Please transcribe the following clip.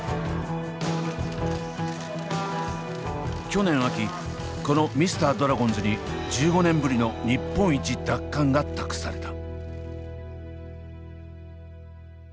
去年秋このミスタードラゴンズに１５年ぶりの日本一奪還が託された。